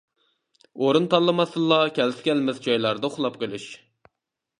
ئورۇن تاللىماستىنلا كەلسە-كەلمەس جايلاردا ئۇخلاپ قېلىش.